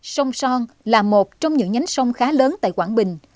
sông son là một trong những nhánh sông khá lớn tại quảng bình